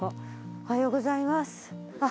おはようございます。